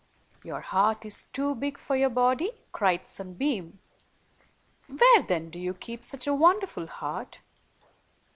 "Your heart is too big for your body!" cried Sunbeam. "Where, then, do you keep such a wonderful heart?"